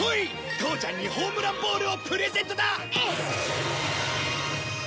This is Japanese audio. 父ちゃんにホームランボールをプレゼントだ！